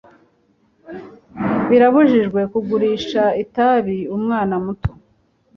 Birabujijwe kugurisha itabi umwana muto.